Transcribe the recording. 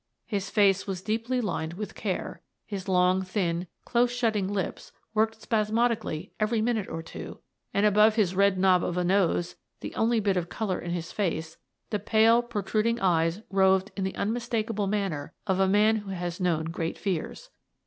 His face was deeply lined with care; his long, thin, close shutting lips worked spasmodically every min ute or two, and, above his red knob of a nose, — the only bit of colour in his face, — the pale pro truding eyes roved in the unmistakable manner of a man who has known great fears.